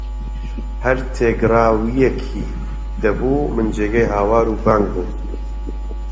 هەر تێگیراوییەکی دەبوو من جێگەی هاوار و بانگی بووم